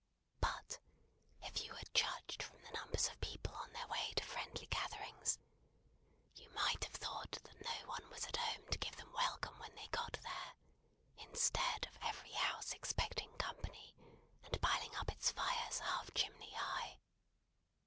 But, if you had judged from the numbers of people on their way to friendly gatherings, you might have thought that no one was at home to give them welcome when they got there, instead of every house expecting company, and piling up its fires half chimney high.